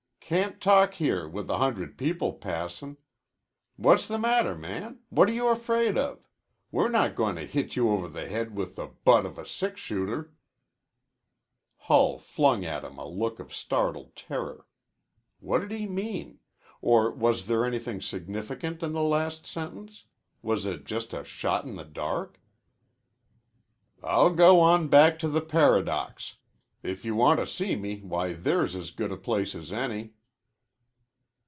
"Can't talk here, with a hundred people passin'. What's the matter, man? What are you afraid of? We're not goin' to hit you over the head with the butt of a six shooter." Hull flung at him a look of startled terror. What did he mean? Or was there anything significant in the last sentence? Was it just a shot in the dark? "I'll go on back to the Paradox. If you want to see me, why, there's as good a place as any."